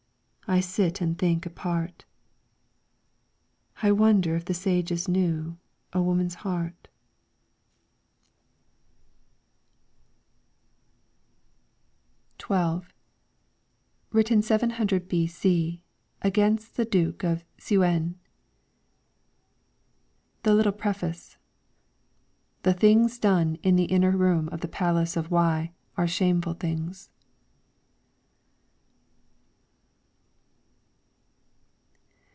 I sit and think apart. I wonder if the Sages knew A woman"'s heart. 12 LYRICS FROM THE CHINESE XII Written 700 b.c. against the Duke Seuen. The Little Preface :' The Things done in the Inner Room of the Palace of Wei were Shameful Things.'